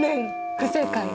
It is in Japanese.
不正解！